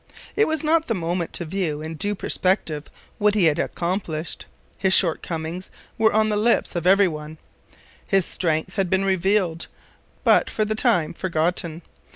It was not the moment to view in due perspective what he had accomplished. His shortcomings were on the lips of every one. His strength had been revealed, but was for the time forgotten.